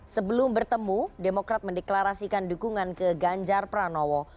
sebelum bertemu demokrat mendeklarasikan dukungan ke ganjar pranowo